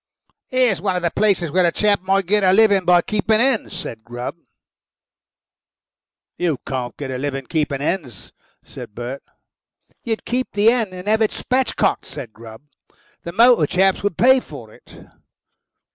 "Here's one of the places where a chap might get a living by keeping hens," said Grubb. "You can't get a living by keeping hens," said Bert. "You'd keep the hen and have it spatch cocked," said Grubb. "The motor chaps would pay for it."